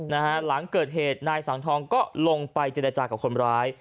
หลังเกิดเหตุนายสังทองก็ลงไปเจรจากับคนร้าย